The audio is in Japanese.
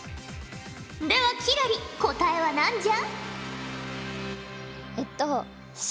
では輝星答えは何じゃ？